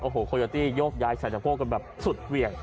โอ้โหโคโยตี้โยกยายสารเจ้าพ่อกันแบบสุดเวียง